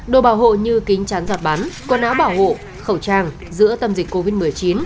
đồ bảo hộ như kính chắn giọt bắn quần áo bảo hộ khẩu trang giữa tâm dịch covid một mươi chín